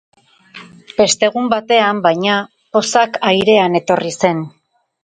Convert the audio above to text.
Beste egun batean, baina, pozak airean etorri zen.